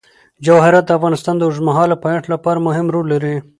جواهرات د افغانستان د اوږدمهاله پایښت لپاره مهم رول لري.